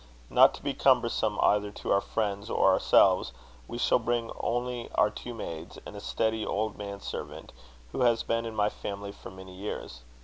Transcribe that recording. Not to be cumbersome either to our friends or ourselves, we shall bring only our two maids, and a steady old man servant, who has been in my family for many years.